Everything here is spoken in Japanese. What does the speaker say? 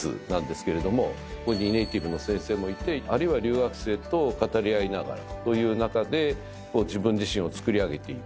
ここにネーティブの先生もいてあるいは留学生と語り合いながらという中で自分自身をつくり上げていく。